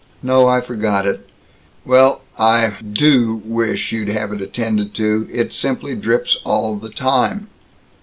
"No, I forgot it." "Well, I do wish you'd have it attended to. It simply drips all the time."